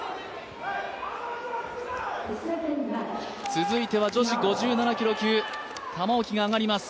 続いては女子５７キロ級玉置が上がります。